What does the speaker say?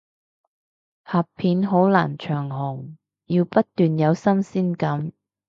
拍片好難長紅，要不斷有新鮮感